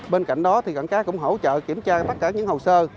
bên cạnh đó cảng cá cũng hỗ trợ kiểm tra tất cả những hồ sơ